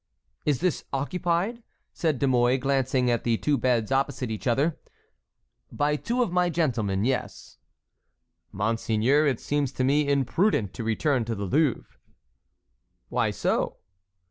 "Is this occupied?" said De Mouy, glancing at the two beds opposite each other. "By two of my gentlemen, yes." "Monseigneur, it seems to me imprudent to return to the Louvre." "Why so?"